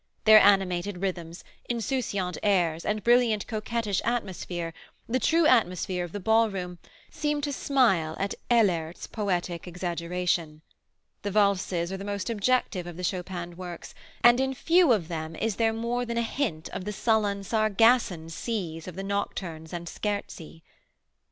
Their animated rhythms, insouciant airs and brilliant, coquettish atmosphere, the true atmosphere of the ballroom, seem to smile at Ehlert's poetic exaggeration. The valses are the most objective of the Chopin works, and in few of them is there more than a hint of the sullen, Sargasson seas of the nocturnes and scherzi.